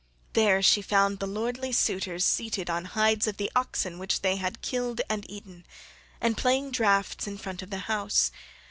There she found the lordly suitors seated on hides of the oxen which they had killed and eaten, and playing draughts in front of the house.